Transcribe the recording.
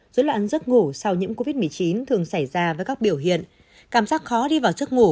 dối loạn giấc ngủ sau nhiễm covid một mươi chín thường xảy ra với các biểu hiện cảm giác khó đi vào giấc ngủ